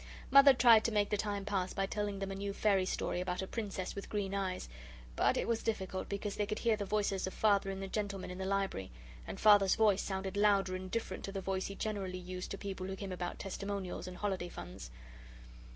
Mother tried to make the time pass by telling them a new fairy story about a Princess with green eyes, but it was difficult because they could hear the voices of Father and the gentlemen in the Library, and Father's voice sounded louder and different to the voice he generally used to people who came about testimonials and holiday funds.